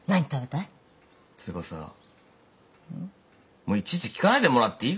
もういちいち聞かないでもらっていいかな。